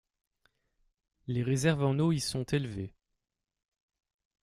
Les réserves en eau y sont élevées.